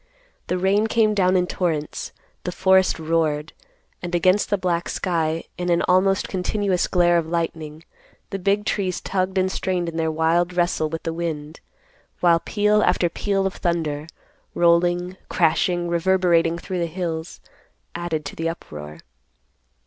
The rain came down in torrents; the forest roared; and against the black sky, in an almost continuous glare of lightning, the big trees tugged and strained in their wild wrestle with the wind; while peal after peal of thunder, rolling, crashing, reverberating through the hills, added to the uproar.